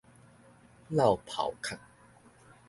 落跑殼